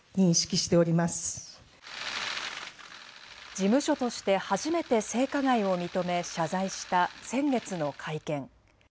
事務所として初めて性加害を認め、謝罪した先月の会見。